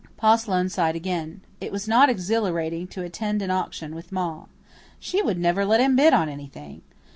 Pa Sloane sighed again. It was not exhilarating to attend an auction with Ma. She would never let him bid on anything.